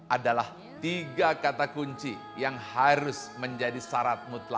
adalah tiga kata kunci yang harus menjadi syarat mutlak